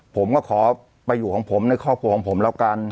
ผมก็ขอไปอยู่ของผมในครอบครัวของผมแล้วกัน